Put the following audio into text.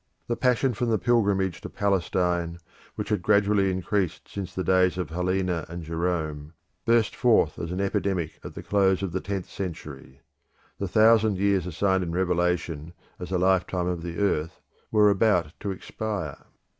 The passion for the pilgrimage to Palestine, which had gradually increased since the days of Helena and Jerome, burst forth as an epidemic at the close of the tenth century. The thousand years assigned in Revelation as the lifetime of the earth were about to expire.